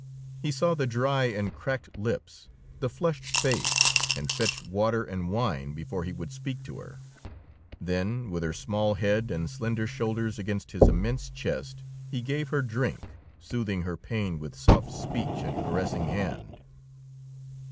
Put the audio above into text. He saw the dry and cracked lips, the flushed face, and fetched water and wine before he would speak to her. Then, with her small head and slender shoulders against his immense chest, he gave her drink, soothing her pain with soft speech and caressing hand.